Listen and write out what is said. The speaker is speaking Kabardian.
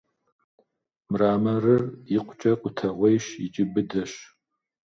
Мраморыр икъукӀэ къутэгъуейщ икӀи быдэщ.